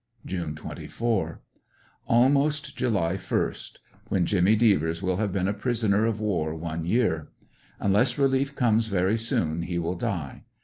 June 24. — Almost July 1st, when Jimmy Devers will have been a prisoner of war one year. Unless relief comes very soon he will die.